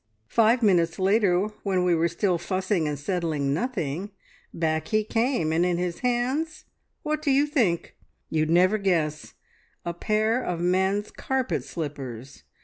Five minutes later when we were still fussing and settling nothing, back he came, and in his hands, what do you think? you'd never guess a pair of men's carpet slippers!